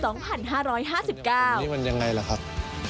นี่มันยังไงล่ะครับ